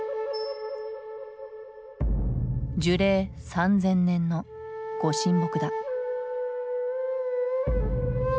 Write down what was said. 樹齢３，０００年の御神木だ。